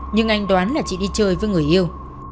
nhưng anh đoán là chị đi chơi với người yêu